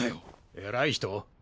偉い人？